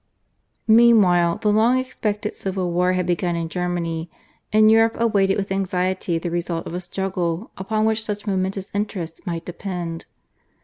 Meanwhile the long expected civil war had begun in Germany, and Europe awaited with anxiety the result of a struggle upon which such momentous interests might depend.